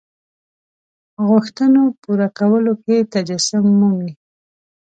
غوښتنو پوره کولو کې تجسم مومي.